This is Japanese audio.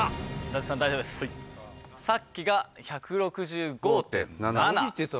さっきが１６５．７。